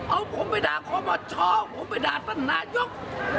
เอาผมไปด่าความว่าชอบเอาผมไปด่าตัธนายก